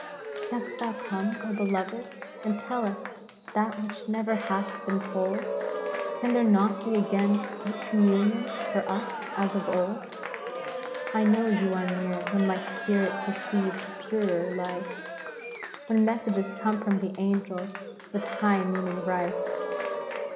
Canst thou come, O beloved ! and tell us That which ne'er hath been told ? Can there not be again sweet communion For us, as of old ? I know you are near, when my spirit Perceives purer life ; When messages come from the angels With high meaning rife.